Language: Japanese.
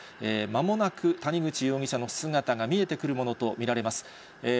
まもなく谷口容疑者の姿が見えてくるものと見られます。